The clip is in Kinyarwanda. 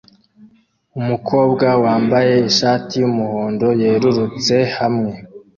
Umukobwa wambaye ishati yumuhondo yerurutse hamwe